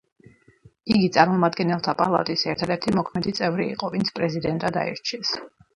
იგი წარმომადგენელთა პალატის ერთადერთი მოქმედი წევრი იყო, ვინც პრეზიდენტად აირჩიეს.